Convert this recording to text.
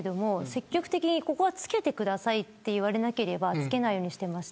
積極的にここは着けてくださいと言われなければ着けないようにしてます。